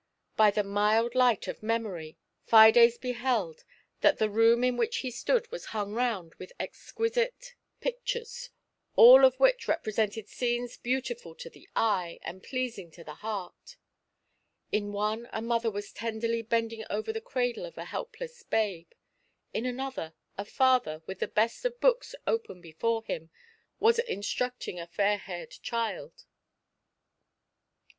By the mild light of Memory, Fides beheld that the room in which he stood was hung round with exquisite 120 FAIR GRATITUDE. pictures, all of which represented scenes beautifiil to the eye and pleasing to the heart. In one a mother was tenderly bending over the cradle of a helpless babe ; in another, a father, with the best of books open before him, was instructing a fair haired child.